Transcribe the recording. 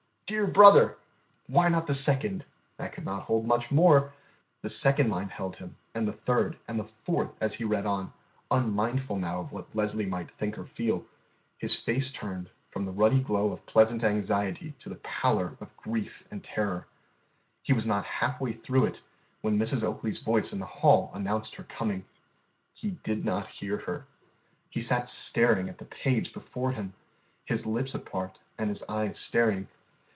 "Dear Brother"! Why not the second? That could not hold much more. The second line held him, and the third, and the fourth, and as he read on, unmindful now of what Leslie might think or feel, his face turned from the ruddy glow of pleasant anxiety to the pallor of grief and terror. He was not half way through it when Mrs. Oakley's voice in the hall announced her coming. He did not hear her. He sat staring at the page before him, his lips apart and his eyes staring.